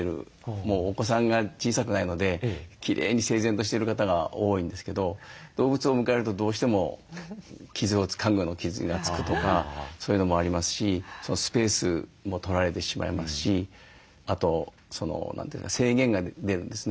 もうお子さんが小さくないのできれいに整然としてる方が多いんですけど動物を迎えるとどうしても家具の傷が付くとかそういうのもありますしスペースも取られてしまいますしあと制限が出るんですね。